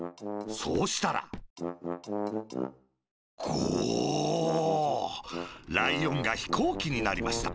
そうしたら「ゴォッ」ライオンがヒコーキになりました。